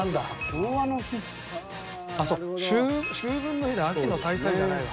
秋分の日だ秋の大祭じゃないわ。